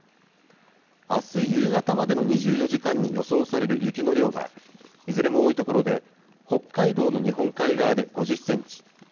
あす夕方までの２４時間に予想される雪の量はいずれも多い所で北海道の日本海側で５０センチ